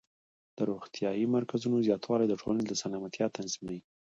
د روغتیايي مرکزونو زیاتوالی د ټولنې سلامتیا تضمینوي.